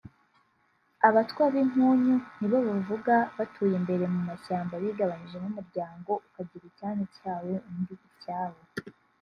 Abatwa b’impunyu nibo bavuga batuye mbere mu mashyamba bigabanyije umuryango ukagira icyanya cyawo undi icyawo